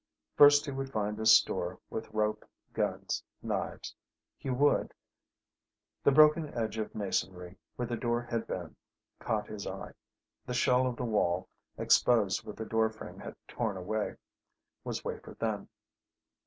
First he would find a store with rope, guns, knives. He would The broken edge of masonry where the door had been caught his eye. The shell of the wall, exposed where the door frame had torn away, was wafer thin.